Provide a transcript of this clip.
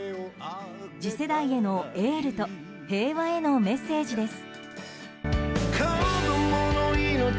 次世代へのエールと平和へのメッセージです。